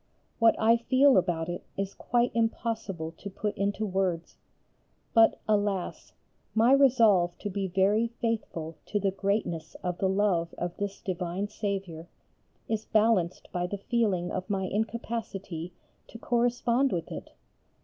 What I feel about it is quite impossible to put into words. But, alas! my resolve to be very faithful to the greatness of the love of this divine Saviour is balanced by the feeling of my incapacity to correspond with it.